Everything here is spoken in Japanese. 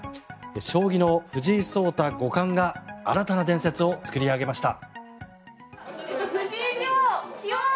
将棋の藤井聡太五冠が新たな伝説を作り上げました。